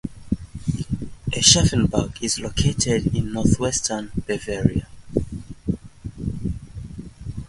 Aschaffenburg is located in northwestern Bavaria.